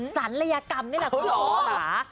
สรรค์ระยะกรรมนี่แหละคุณผู้ชาย